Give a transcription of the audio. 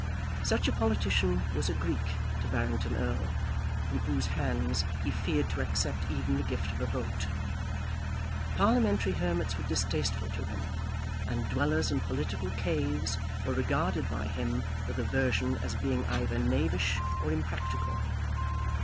Such a politician was a Greek to Barrington Erle, from whose hands he feared to accept even the gift of a vote. Parliamentary hermits were distasteful to him, and dwellers in political caves were regarded by him with aversion as being either knavish or impractical.